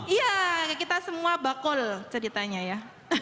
iya kita semua bakol ceritanya ya